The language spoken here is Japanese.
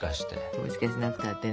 もしかしなくたってね。